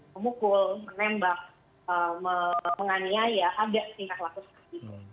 memukul menembak menganiaya ada tingkah laku seperti itu